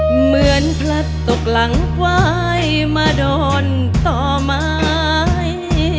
เหมือนพลัดตกหลังควายมาดอนต่อไม้